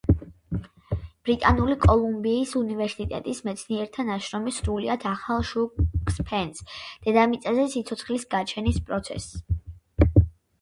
ბრიტანული კოლუმბიის უნივერსიტეტის მეცნიერთა ნაშრომი სრულიად ახალ შუქს ფენს დედამიწაზე სიცოცხლის გაჩენის პროცესს.